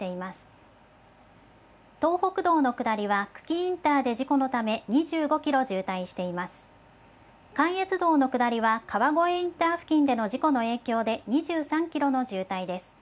関越道の下りは、川越インター付近での事故の影響で、２３キロの渋滞です。